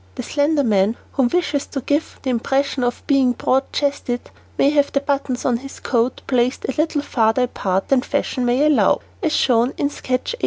The slender man who wishes to give the impression of being broad chested may have the buttons on his coat placed a little farther apart than fashion may allow, as shown in sketch 84.